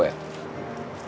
gantengan juga gue